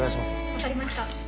分かりました。